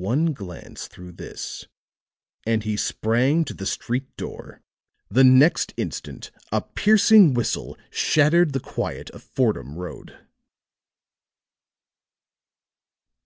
One glance through this and he sprang to the street door. The next instant a piercing whistle shattered the quiet of Fordham Road.